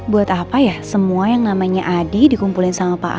buat apa ya semua yang namanya adi dikumpulin sama pak adi